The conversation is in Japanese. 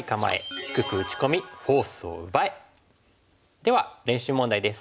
では練習問題です。